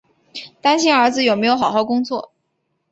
担心儿子有没有好好工作